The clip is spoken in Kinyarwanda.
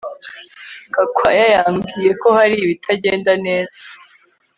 Gakwaya yambwiye ko hari ibitagenda neza